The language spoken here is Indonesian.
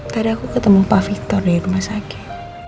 tadi aku ketemu pak victor dari rumah sakit